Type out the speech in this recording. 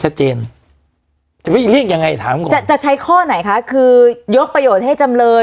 จะเรียกยังไงถามก่อนจะจะใช้ข้อไหนคะคือยกประโยชน์ให้จำเลย